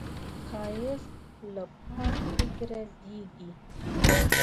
ښایست له پاک فکره زېږي